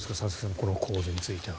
この構図については。